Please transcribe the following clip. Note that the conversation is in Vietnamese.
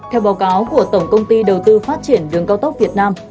theo báo cáo của tổng công ty đầu tư phát triển đường cao tốc việt nam